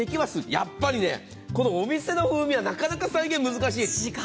やっぱりね、このお店の風味はなかなか再現難しい。